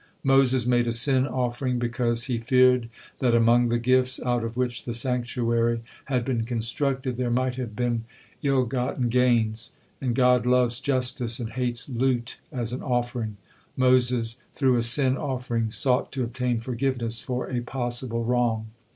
Moses made a sin offering because he feared that among the gifts out of which the sanctuary had been constructed, there might have been ill gotten gains, and God loves justice and hates loot as an offering, Moses through a sin offering sought to obtain forgiveness for a possible wrong.